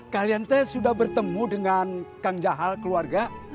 kalian teh sudah bertemu dengan kang jaha keluarga